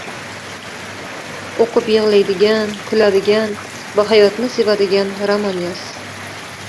O’qib yig’laydigan, kuladigan va hayotni sevadigan roman yoz.